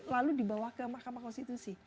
lalu dibawa ke mahkamah konstitusi